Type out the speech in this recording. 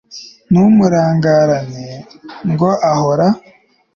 ntumurangarane ngo ahora